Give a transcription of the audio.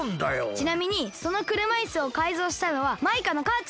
ちなみにそのくるまいすをかいぞうしたのはマイカのかあちゃん。